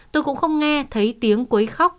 tôi cũng không nghe thấy tiếng quấy khóc